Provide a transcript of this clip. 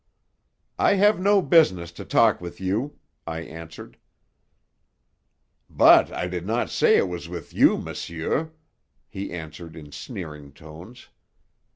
"I have no business to talk with you," I answered. "But I did not say it was with you, monsieur," he answered in sneering tones.